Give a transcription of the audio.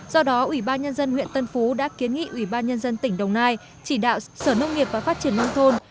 do đó ủy ban nhân dân huyện tân phú đã kiến nghị ủy ban nhân dân tỉnh đồng nai chỉ đạo sở nông nghiệp và phát triển nông thôn